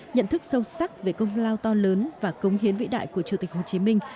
nhận thức sâu sắc về công lao to lớn và cống hiến vĩ đại của chủ tịch hồ chí minh